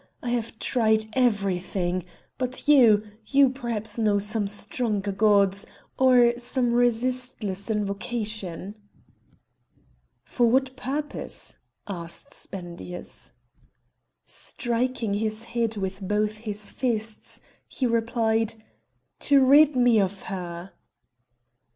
I have tried everything! But you, you perhaps know some stronger gods, or some resistless invocation?" "For what purpose?" asked Spendius. Striking his head with both his fists, he replied: "To rid me of her!"